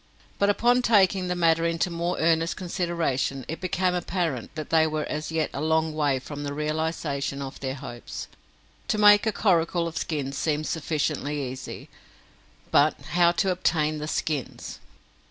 But upon taking the matter into more earnest consideration, it became apparent that they were as yet a long way from the realization of their hopes. To make a coracle of skins seemed sufficiently easy, but how to obtain the skins!